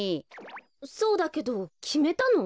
そうだけどきめたの？